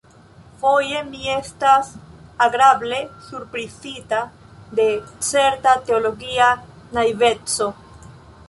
Foje mi estas agrable surprizita de certa teologia naiveco.